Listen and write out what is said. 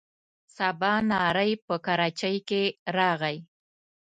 سباناری په کراچۍ کې راغی.